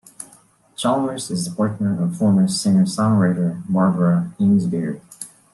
Chalmers is the partner of former singer-songwriter Barbra Amesbury.